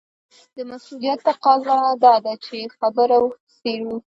د مسووليت تقاضا دا ده چې خبره وڅېړو.